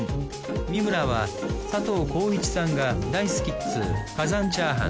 三村は佐藤浩市さんが大好きっつう火山チャーハン。